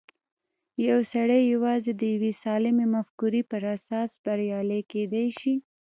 يو سړی يوازې د يوې سالمې مفکورې پر اساس بريالی کېدای شي.